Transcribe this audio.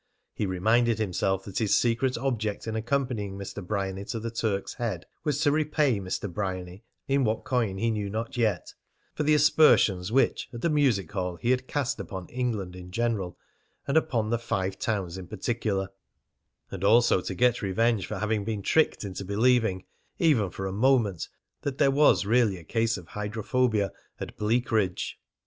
He reminded himself that his secret object in accompanying Mr. Bryany to the Turk's Head was to repay Mr. Bryany in what coin he knew not yet for the aspersions which at the music hall he had cast upon England in general and upon the Five Towns in particular, and also to get revenge for having been tricked into believing, even for a moment, that there was really a case of hydrophobia at Bleakridge.